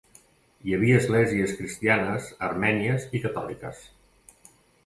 Hi havia esglésies cristianes armènies i catòliques.